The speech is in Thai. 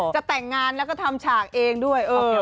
จะแต่งงานแล้วก็ทำฉากเองด้วย